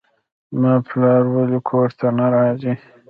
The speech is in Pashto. زما پلار ولې کور ته نه راځي.